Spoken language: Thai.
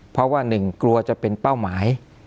เพราะว่าหนึ่งกลัวจะเป็นเป้าหมาย